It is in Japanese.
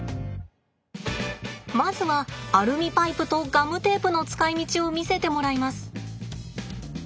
まずはアルミパイプとガムテープの使いみちを見せてもらいます。